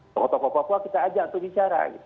tokoh tokoh papua kita ajak untuk bicara